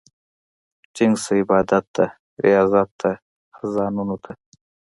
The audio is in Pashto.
ټينګ شه عبادت ته، رياضت ته، اذانونو ته